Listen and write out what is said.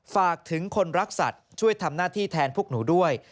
ฝากถึงคนรักสัตว์ช่วยทำหน้าที่แทนพวกหนูด้วย